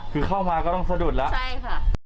คือเข้ามาก็ต้องสะดุดแล้วใช่ค่ะ